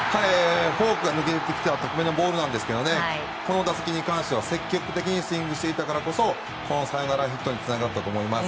フォークが抜けてきたあと高めのボールですがこの打席に関しては積極的にスイングしていたからこそサヨナラヒットにつながったと思います。